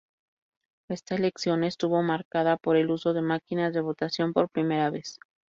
Esta elección estuvo marcada por el uso de máquinas de votación por primera vez.